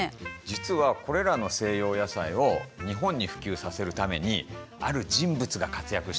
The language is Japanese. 実はこれらの西洋野菜を日本に普及させるためにある人物が活躍したんです。